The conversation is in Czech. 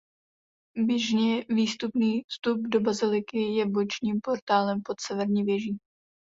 Běžně přístupný vstup do baziliky je bočním portálem pod severní věží.